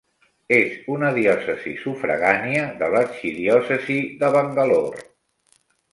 És una diòcesi sufragània de l'arxidiòcesi de Bangalore.